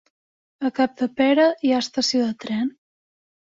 A Capdepera hi ha estació de tren?